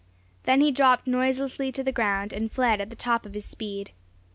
Then he dropped noiselessly to the ground and fled at the top of his speed.